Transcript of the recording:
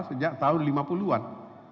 sejak tahun lima puluh an